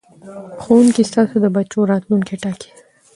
ښوونکو ستاسو د بچو راتلوونکی ټاکي.